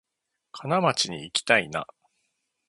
金町にいきたいな